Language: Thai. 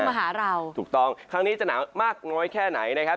บ้องววววววววววววมาเหาะหาเบอร์ม่าง้อยแค่ไหนนะครับ